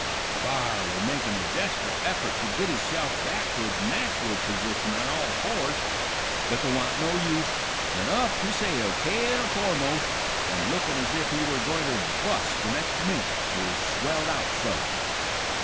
The b'ar were making a desper't effort to git itself back to its nat'ral p'sition on all fours, but th' wa'n't no use, an' up he sailed, tail foremost, an' lookin' ez if he were gointer bust the next minute, he were swelled out so.